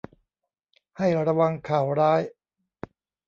ให้ระวังข่าวร้าย